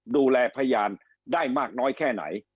ดูแลพยานได้มากน้อยแค่ไหน